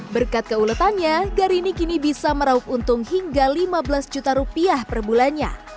berkat keuletannya garini kini bisa meraup untung hingga lima belas juta rupiah per bulannya